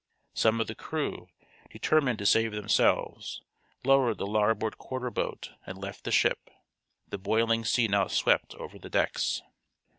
Some of the crew, determined to save themselves, lowered the larboard quarter boat, and left the ship. The boiling sea now swept over the decks.